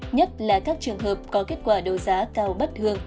nhất là các trường hợp có kết quả đấu giá cao bất thường